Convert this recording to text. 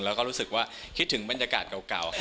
แล้วก็รู้สึกว่าคิดถึงบรรยากาศเก่า